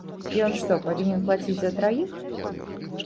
Ён што, павінен плаціць за траіх?